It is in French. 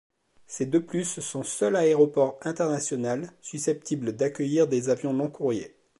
C'est de plus son seul aéroport international, susceptible d'accueillir des avions long-courriers.